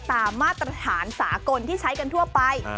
มาตรฐานสากลที่ใช้กันทั่วไป